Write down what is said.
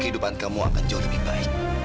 kehidupan kamu akan jauh lebih baik